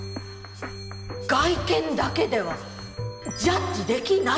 外見だけではジャッジできないってことね。